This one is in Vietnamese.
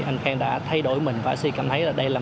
anh khang đã thay đổi mình và suy cảm thấy là đây là